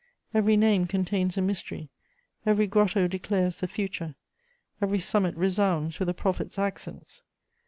Every name contains a mystery; every grotto declares the future; every summit resounds with a prophet's accents.